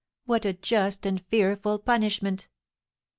What a just and fearful punishment!'"